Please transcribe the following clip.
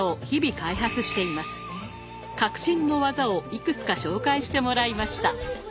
革新の技をいくつか紹介してもらいました。